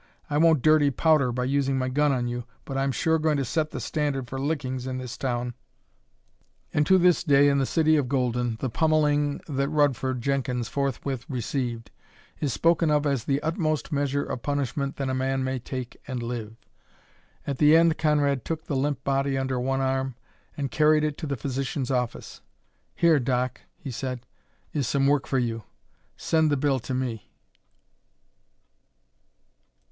I won't dirty powder by using my gun on you, but I'm sure going to set the standard for lickings in this town." And to this day, in the city of Golden, the pummelling that Rutherford Jenkins forthwith received is spoken of as the utmost measure of punishment that a man may take and live. At the end Conrad took the limp body under one arm and carried it to the physician's office. "Here, Doc," he said, "is some work for you. Send the bill to me."